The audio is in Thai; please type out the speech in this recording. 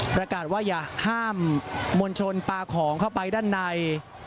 ประกาศว่าอย่าห้ามมวลชนปลาของเข้าไปด้านใน